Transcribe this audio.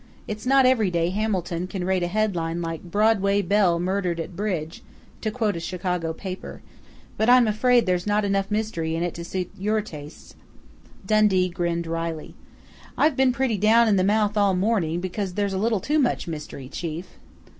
It's not every day Hamilton can rate a headline like 'BROADWAY BELLE MURDERED AT BRIDGE' to quote a Chicago paper.... But I'm afraid there's not enough mystery in it to suit your tastes." Dundee grinned wryly. "I've been pretty down in the mouth all morning because there's a little too much mystery, chief."